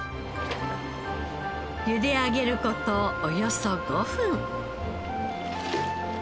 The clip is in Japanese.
ゆで上げる事およそ５分。